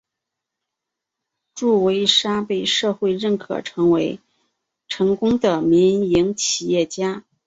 祝维沙被社会认可为成功的民营企业家。